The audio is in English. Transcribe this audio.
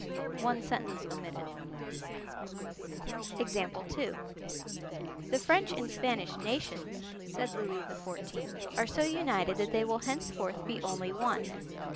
(One sentence omitted.) "The French and Spanish nations," said Louis XIV., "are so united that they will henceforth be only one....